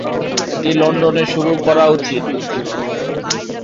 এটি লন্ডনে শুরু করা উচিত।